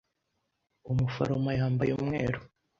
Umuforomo yambaye umweru.